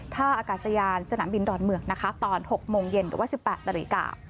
ท่าอากาศยานสนามบินดอนเมืองนะคะตอน๖โมงเย็นหรือว่า๑๘นาฬิกา